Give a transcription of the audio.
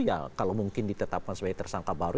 iya kalau mungkin ditetapkan sebagai tersangka baru